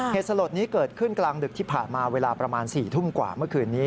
เหตุสลดนี้เกิดขึ้นกลางดึกที่ผ่านมาเวลาประมาณ๔ทุ่มกว่าเมื่อคืนนี้